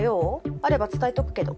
あれば伝えとくけど。